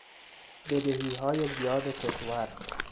بدهیهای زیاد کشور